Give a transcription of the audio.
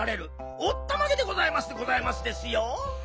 おったまげでございますでございますですよ。